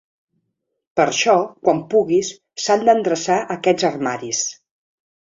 Per això, quan puguis, s'han d'endreçar aquests armaris.